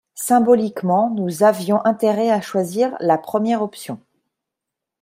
Symboliquement, nous avions intérêt à choisir la première option.